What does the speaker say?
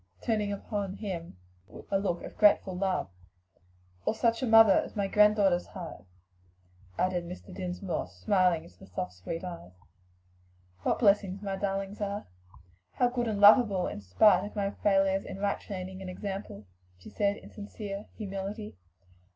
turning upon him a look of grateful love. "Or such a mother as my granddaughters have," added Mr. Dinsmore, smiling into the soft, sweet eyes. "What blessings my darlings are! how good and lovable in spite of my failures in right training and example," she said in sincere humility.